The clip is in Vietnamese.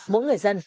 mỗi người dân